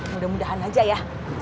mudah mudahan aja ya